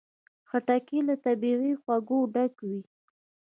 خټکی له طبیعي خوږو ډک وي.